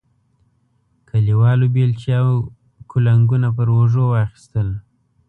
کلیوالو بیلچې او کنګونه پر اوږو واخیستل.